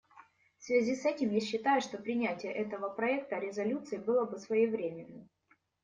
В связи с этим я считаю, что принятие этого проекта резолюции было бы своевременным.